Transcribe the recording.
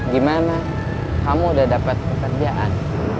gimana kamu udah dapat pekerjaan